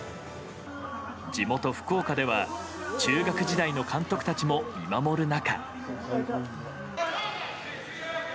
地元・福岡では、中学時代の監督たちも見守る中。